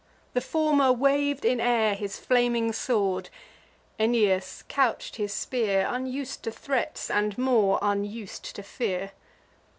The former wav'd in air His flaming sword: Aeneas couch'd his spear, Unus'd to threats, and more unus'd to fear.